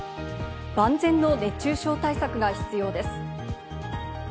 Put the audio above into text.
万全の熱中症対策が必要です。